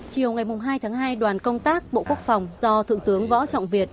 chiều ngày hai tháng hai đoàn công tác bộ quốc phòng do thượng tướng võ trọng việt